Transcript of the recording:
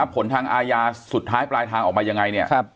ผลทางอาญาสุดท้ายปลายทางออกมายังไงเนี่ย